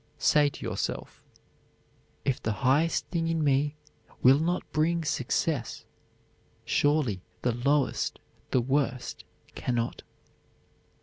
Say to yourself, "_If the highest thing in me will not bring success, surely the lowest, the worst, cannot.